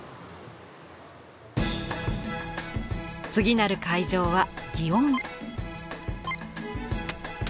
次なる会場は園。